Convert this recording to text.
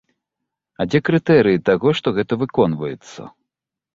А дзе крытэрыі таго, што гэта выконваецца?